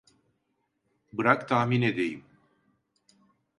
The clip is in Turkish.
Bırak tahmin edeyim.